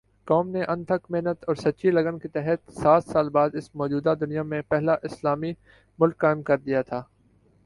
قوم نے انتھک محنت اور سچی لگن کے تحت سات سال بعد اس موجودہ دنیا میں پہلا اسلامی ملک قائم کردیا تھا